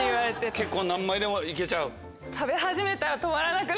結構何杯でも行けちゃう？